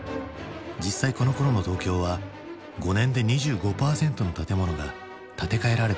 実際このころの東京は５年で２５％の建物が建て替えられていたという。